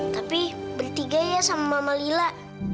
tapi bertiga ya sama mama lila